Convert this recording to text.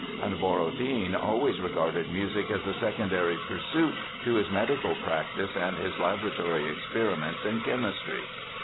And Borodin always regarded music as a secondary pursuit to his medical practice and his laboratory experiments in chemistry.